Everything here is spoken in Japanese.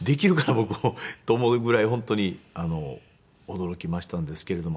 僕と思うぐらい本当に驚きましたんですけれども。